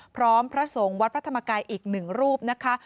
พระสงฆ์วัดพระธรรมกายอีกหนึ่งรูปนะคะ